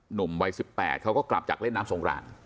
หนุ่มวัย๑๘เขาก็กลับจากเล่นน้ำสงกราน